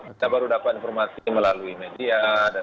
kita baru dapat informasi melalui media